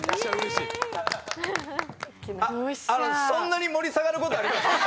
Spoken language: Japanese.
そんなに盛り下がることあります？